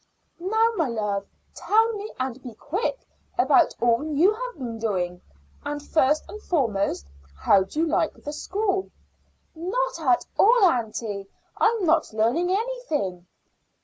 "Now my love, tell me, and be quick, about all you have been doing. And first and foremost, how do you like school?" "Not at all, aunty; and I'm not learning anything."